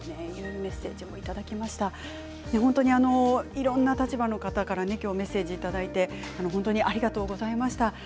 いろんな立場の方から今日メッセージいただいて本当にありがとうございました。